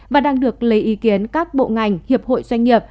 và đang được lấy ý kiến các bộ ngành hiệp hội doanh nghiệp